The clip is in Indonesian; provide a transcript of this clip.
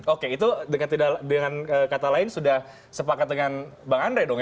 oke itu dengan kata lain sudah sepakat dengan bang andre dong ya